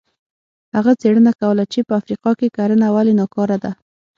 هغه څېړنه کوله چې په افریقا کې کرنه ولې ناکاره ده.